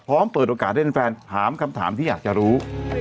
พร้อมเปิดโอกาสเล่นแฟนถามคำถามที่อยากจะรู้